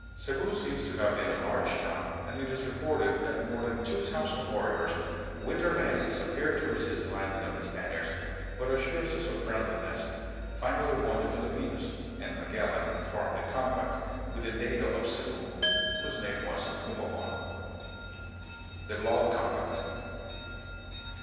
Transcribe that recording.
Cebu seems to have been a large town and it is reported that more than two thousand warriors with their lances appeared to resist the landing of the Spaniards, but assur ances of friendliness finally won the Filipinos, and Magellan formed a compact with the dato of Cebu, whose name was Humabon. The Blood Compact.